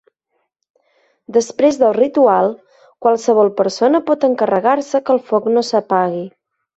Després del ritual, qualsevol persona pot encarregar-se que el foc no s'apagui.